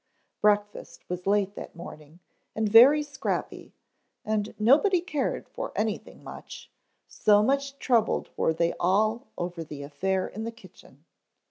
Breakfast was late that morning and very scrappy, but nobody cared for anything much, so much troubled were they all over the affair in the kitchen.